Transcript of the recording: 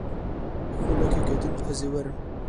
Xulekeke din ez ê werim.